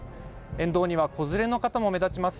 沿道には子連れの方も目立ちます。